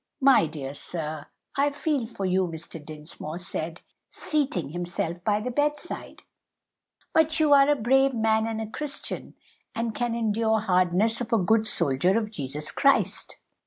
"My dear sir, I feel for you!" Mr. Dinsmore said, seating himself by the bedside, "but you are a brave man and a Christian, and can endure hardness as a good soldier of Jesus Christ!"